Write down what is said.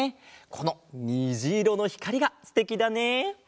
このにじいろのひかりがすてきだね！